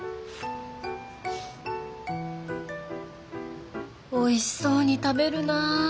心の声おいしそうに食べるなあ。